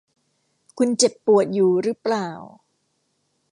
คุณเจ็บปวดอยู่รึเปล่า ?